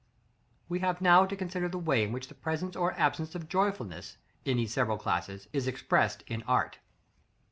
§ XXXI. We have now to consider the way in which the presence or absence of joyfulness, in these several classes, is expressed in art.